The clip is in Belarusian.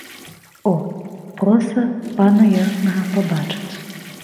О, проса пана яснага пабачыць.